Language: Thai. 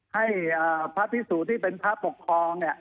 ให้พระพิสุที่เป็นพระปกครองเนี่ย